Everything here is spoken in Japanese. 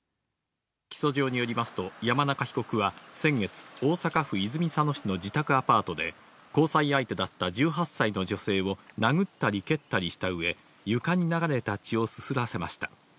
起訴状によりますと、山中被告は先月、大阪府泉佐野市の自宅アパートで、交際相手だった１８歳の女性を殴ったり蹴ったりしたうえ、床に流れた血をすすらせました。